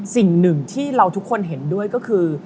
สิ่งหนึ่งที่เราทุกคนเห็นด้วยก็คือ